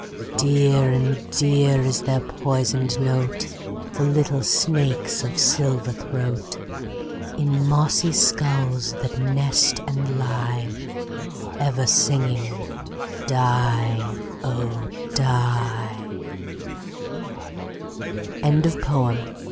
Dear and dear is their poisoned note, The little snakes' of silver throat, In mossy skulls that nest and lie, Ever singing "die, oh!